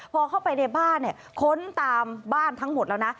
พอเข้าไปในบ้านเนี่ยค้นตามบ้านทั้งหมดแล้วนะ